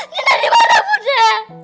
nina dimana budi